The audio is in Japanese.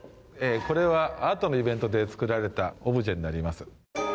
これは、アートのイベントで作られたオブジェになります。